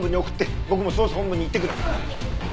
僕も捜査本部に行ってくる。